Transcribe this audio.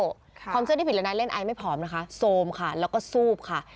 ความเชื่อที่ผิดเลยนะเล่นไอไม่ผอมนะคะโซมค่ะแล้วก็ซูบค่ะ